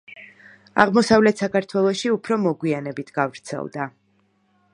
აღმოსავლეთ საქართველოში უფრო მოგვიანებით გავრცელდა.